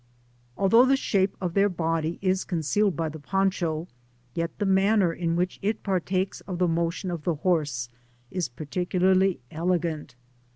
Although the shape of their body is concealed by the poncho, yet the manner in which it partakes of the motion of the horse is particularly elegant.